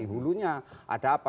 hulunya ada apa